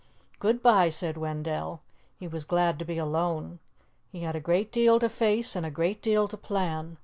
"Good bye," said Wendell. He was glad to be alone. He had a great deal to face and a great deal to plan.